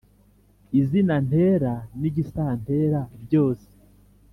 izina ntera n’igisantera byose